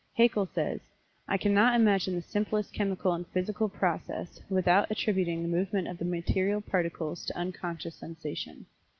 Haeckel says: "I cannot imagine the simplest chemical and physical process without attributing the movement of the material particles to unconscious sensation.